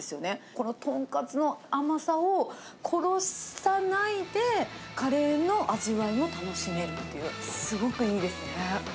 この豚カツの甘さを殺さないで、カレーの味わいも楽しめるっていう、すごくいいですね。